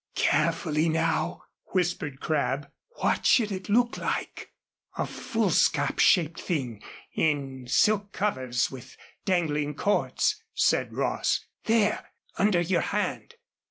"Carefully now," whispered Crabb. "What should it look like?" "A foolscap shaped thing in silk covers with dangling cords," said Ross. "There, under your hand."